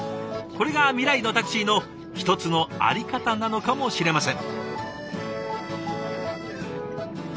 これが未来のタクシーの一つの在り方なのかもしれません。